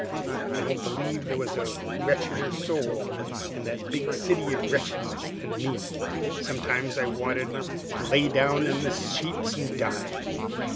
I don't believe there was a wretcheder soul in that big city of wretchedness than me. Sometimes I wanted to lay down in the sheets and die.